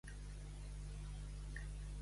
Descobrir la caca.